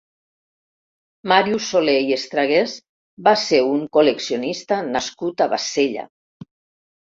Màrius Soler i Estragués va ser un col·leccionista nascut a Bassella.